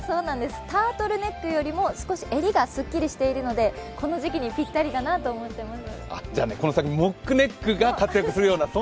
タートルネックよりも少し襟がすっきりしているのでこの時期にぴったりかなと思います。